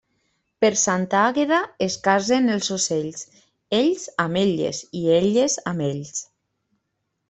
Per Santa Àgueda es casen els ocells, ells amb elles i elles amb ells.